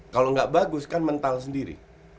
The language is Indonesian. kalau nggak bagus kan mental sendiri